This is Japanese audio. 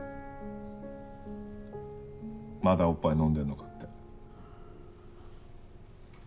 まだおっぱい飲んでるのかって。